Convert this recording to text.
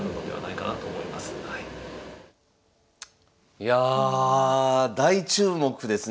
いや大注目ですね